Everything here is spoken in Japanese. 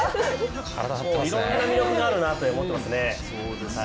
いろんな魅力があるなと思っていますね。